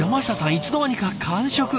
いつの間にか完食！？